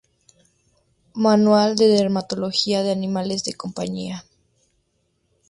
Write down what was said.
Manual de dermatología de animales de compañía.